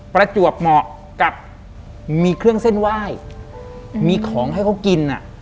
ประจวบเหมาะกับมีเครื่องเส้นไหว้มีของให้เขากินอ่ะ